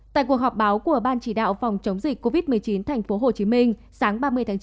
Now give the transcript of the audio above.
tại cuộc họp báo của ban chỉ đạo phòng chống dịch covid một mươi chín tp hcm sáng ba mươi tháng chín